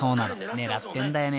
狙ってんだよね］